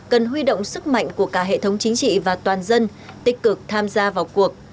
cần huy động sức mạnh của cả hệ thống chính trị và toàn dân tích cực tham gia vào cuộc